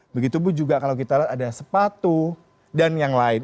begitupun juga kalau kita lihat ada sepatu dan yang lain